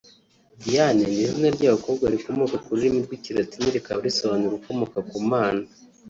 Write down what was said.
Diane ni izina ry’abakobwa rikomoka ku rurimi rw’Ikilatini rikaba risobanura “ukomoka ku Mana”